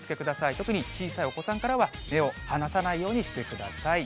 特に小さいお子さんからは目を離さないようにしてください。